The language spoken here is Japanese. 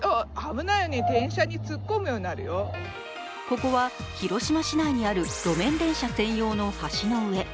ここは広島市内にある路面電車専用の橋の上。